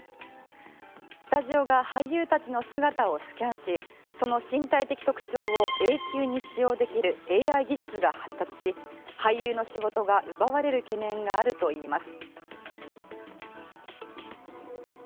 スタジオが俳優たちの姿をスキャンしその身体的特徴を永久に使用できるＡＩ技術が発達し俳優の仕事が奪われる懸念があるといいます。